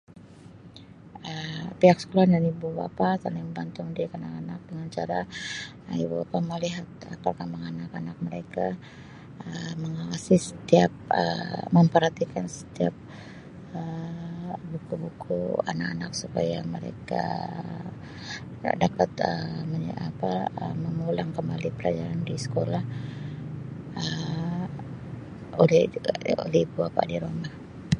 Um Pihak sekolah dan ibu bapa saling membantu mendidik anak-anak dengan cara ibu bala melihat perkembangan anak-anak mereka Um mengawasi setiap Um memperhatikan setiap Um buku-buku anak-anak supaya mereka dapat Um apa mengulang kembali pembelajaran di sekolah Um oleh-oleh ibu bapa di rumah.